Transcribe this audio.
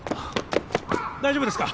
大丈夫ですか？